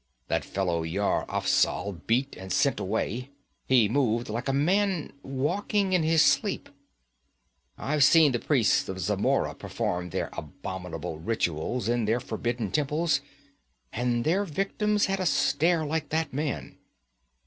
That fellow Yar Afzal beat and sent away he moved like a man walking in his sleep. I've seen the priests of Zamora perform their abominable rituals in their forbidden temples, and their victims had a stare like that man.